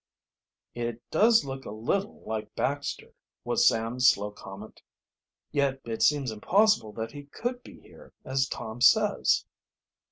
"It does look a little like Baxter," was Sam's slow comment. "Yet it seems impossible that he could be here, as Tom says."